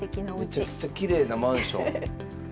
めちゃくちゃきれいなマンション。